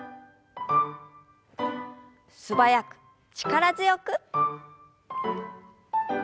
素早く力強く。